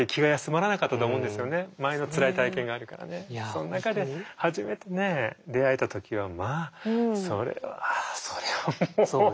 その中で初めてね出会えた時はまあそれはそれはもう。